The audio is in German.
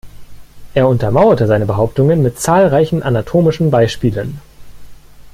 Er untermauerte seine Behauptungen mit zahlreichen anatomischen Beispielen.